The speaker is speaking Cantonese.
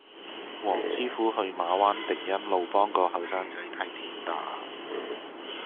黃師傅去馬灣迪欣路幫個後生仔睇跌打